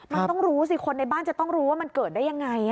มันต้องรู้สิคนในบ้านจะต้องรู้ว่ามันเกิดได้ยังไง